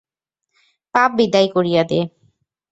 পাপ বিদায় করিয়া দে।